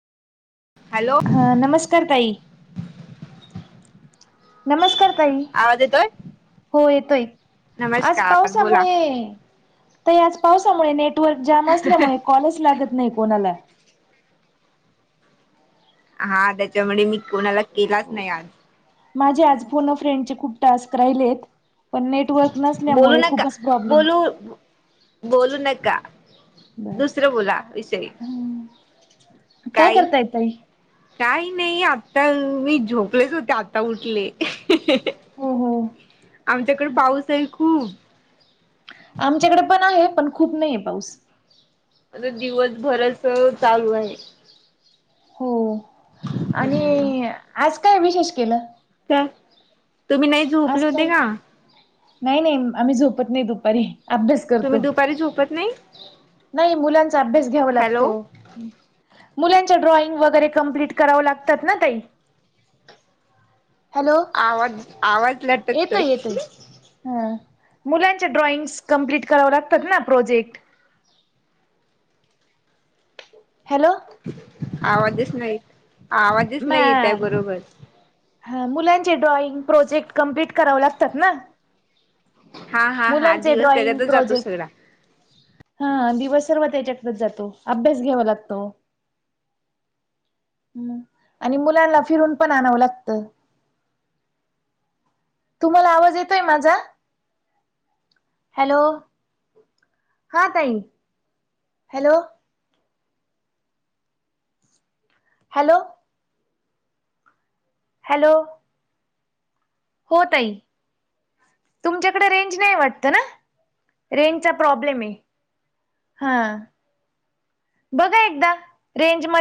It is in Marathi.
हॅलो हा नमस्कार ताई. नमस्कार ताई. आवाज येतोय? हो येतोय आज नमस्कार बोला पावसामुळे तर याच पावसामुळे नेटवर्क जाम असल्यामुळे कॉलच लागत नाइ कोणाला. हा तेच्यामुळे मी कोणाला केलाच नाइ आज. माझे आज फोन अ फ्रेंड चे खूप टास्क राहिलेत पण नेटवर्क बोलू नसल्यामुळे नका खूपच प्रॉब्लेम बोलू बोलू नका. बर दुसरं बोला विषय. ह काय करताय ताई? काय नाइ आता मी झोपलेच होते आता उठले. हो हो. आमच्याकडे पाऊस आहे खूप आमच्याकडे पण आहे पण खूप नाइय पाऊस. आता दिवसभरच चालू आहे. हो हम्म आणि आज काय विशेष केलं? का तुम्ही नाइ आज काय नाइ नाइ आम्ही झोपत नाइ दुपारी. अभ्यास तुम्ही दुपारी झोपत नाइ? नाइ मुलांचा अभ्यास घ्याव लागतो. मुलांच्या ड्रॉइंग वगरे कम्प्लीट करावं लागतात ना ताई. हॅलो आवाज आवाज लटकतोय. येतोय येतोय. हा मुलांच्या ड्रॉइंग्स कम्प्लीट करावं लागतात ना प्रोजेक्ट हॅलो. आवाजच नाइ आवाजच नाइ मॅ येताय बरोबर. हा मुलांचे ड्रॉइंग, प्रोजेक्ट कम्प्लीट करावं लागतात ना. हा हा हा मुलांचे दिवस ड्रॉइंग, त्याच्यातच जातो प्रोजेक्ट सगळा. हा दिवस सर्व तेच्याकडचं जातो अभ्यास घ्यावा लागतो. हम्म आणि मुलांना फिरून पण आणावं लागतं. तुम्हाला आवाज येतोय माझा? हॅलो हा ताई हॅलो. हॅलो. हॅलो. हो ताई. तुमच्याकड रेंज नाइ वाटतं ना रेंजचा प्रॉब्लेमय. हा आ बघा एकदा रेंज म